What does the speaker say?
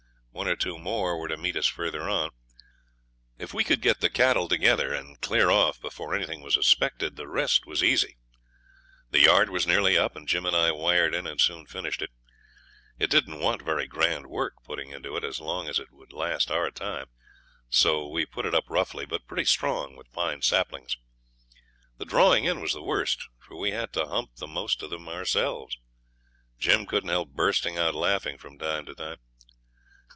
One or two more were to meet us farther on. If we could get the cattle together and clear off before anything was suspected the rest was easy. The yard was nearly up, and Jim and I wired in and soon finished it. It didn't want very grand work putting into it as long as it would last our time. So we put it up roughly, but pretty strong, with pine saplings. The drawing in was the worst, for we had to 'hump' the most of them ourselves. Jim couldn't help bursting out laughing from time to time.